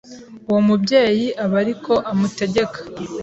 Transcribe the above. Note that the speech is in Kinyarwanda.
" Uwo mubyeyi aba ariko amutegeka.